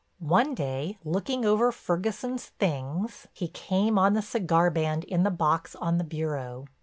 One day, looking over Ferguson's things, he came on the cigar band in the box on the bureau.